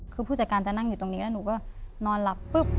คือผู้จัดการจะนั่งอยู่ตรงนี้แล้วหนูก็นอนหลับปุ๊บ